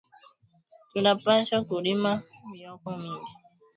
Tuna pashwa kurima myoko mingi